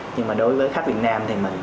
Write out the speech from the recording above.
nhưng mà đối với khách việt nam thì mình